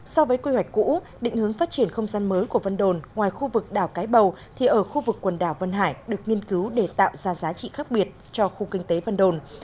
so với quy hoạch cũ định hướng phát triển không gian mới của vân đồn ngoài khu vực đảo cái bầu thì ở khu vực quần đảo vân hải được nghiên cứu để tạo ra giá trị khác biệt cho khu kinh tế vân đồn